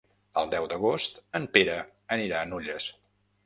El deu d'agost en Pere anirà a Nulles.